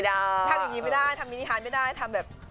ทำอย่างนี้ไม่ได้ทำมินิฮานไม่ได้ทำแบบ